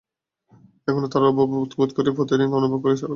এখনো তাঁর অভাব বোধ করি প্রতিদিন, তাঁকে অনুভব করি সকল কাজে।